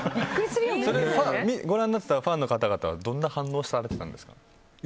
ご覧になってたファンの方々はどんな反応をされていたんですか？